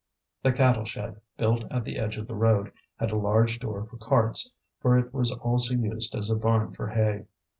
The cattle shed, built at the edge of the road, had a large door for carts, for it was also used as a barn for hay.